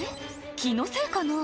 気のせいかな